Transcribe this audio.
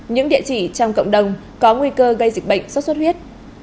những địa chỉ trong cộng đồng có nguy cơ gây dịch bệnh sốt xuất huyết